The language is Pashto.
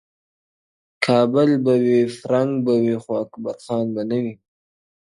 کابل به وي، فرنګ به وي خو اکبر خان به نه وي٫